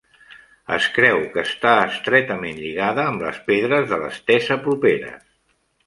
Es creu que està estretament lligada amb les pedres de l'estesa properes.